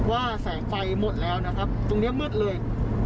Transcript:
ว่าแสงไฟหมดแล้วนะครับตรงนี้มืดเลย